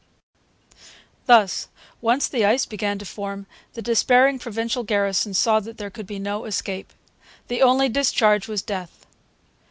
Thus, once the ice began to form, the despairing Provincial garrison saw there could be no escape. The only discharge was death.